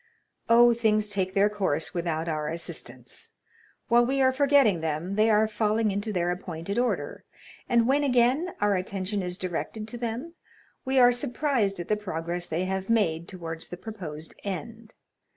"Oh, things take their course without our assistance. While we are forgetting them, they are falling into their appointed order; and when, again, our attention is directed to them, we are surprised at the progress they have made towards the proposed end.